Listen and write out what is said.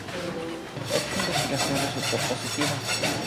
Esta investigación resultó positiva.